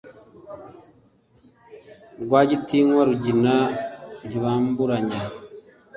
rwagitinywa rugina ntibamburanya,